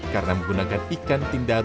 karena menggunakan ikan tindar